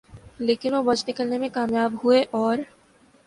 لیکن وہ بچ نکلنے میں کامیاب ہوئے اور